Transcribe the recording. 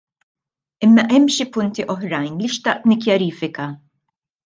Imma hemm xi punti oħrajn li xtaqt nikkjarifika.